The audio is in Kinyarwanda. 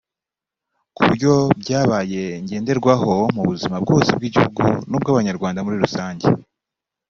ku buryo byabaye ngenderwaho mu buzima bwose bw’igihugu n’ubw’Abanyarwanda muri rusange